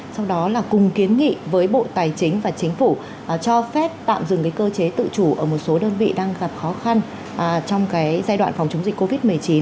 sau đó là cùng kiến nghị với bộ tài chính và chính phủ cho phép tạm dừng cơ chế tự chủ ở một số đơn vị đang gặp khó khăn trong giai đoạn phòng chống dịch covid một mươi chín